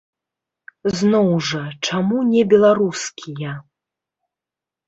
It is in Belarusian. Зноў жа, чаму не беларускія?